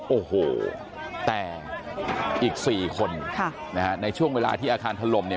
โอ้โหแต่อีก๔คนในช่วงเวลาที่อาคารถล่มเนี่ย